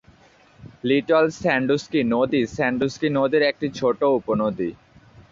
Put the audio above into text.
Little Sandusky নদী Sandusky নদীর একটি ছোট উপনদী।